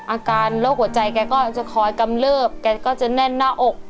อาการโรคหัวใจแกก็จะคอยกำเลิบแกก็จะแน่นหน้าอก